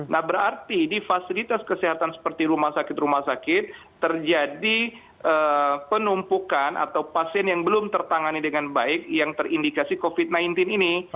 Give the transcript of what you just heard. nah berarti di fasilitas kesehatan seperti rumah sakit rumah sakit terjadi penumpukan atau pasien yang belum tertangani dengan baik yang terindikasi covid sembilan belas ini